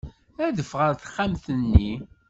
Adef ɣer texxamt-nni.